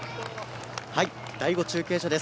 第５中継所です。